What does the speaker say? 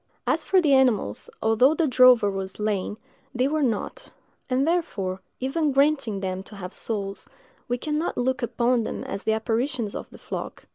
As for the animals, although the drover was slain, they were not; and therefore, even granting them to have souls, we can not look upon them as the apparitions of the flock.